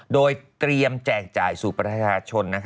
โดยเตรียมแจกจ่ายสู่ประชาชน